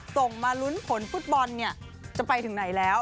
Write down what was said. ส่งมาลุ้นผลฟุตบอลเนี่ยจะไปถึงไหนแล้ว